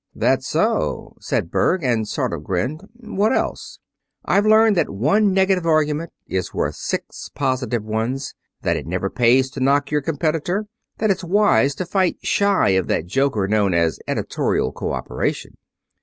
"'That so?' said Berg, and sort of grinned. 'What else?' "'I've learned that one negative argument is worth six positive ones; that it never pays to knock your competitor; that it's wise to fight shy of that joker known as "editorial coöperation."'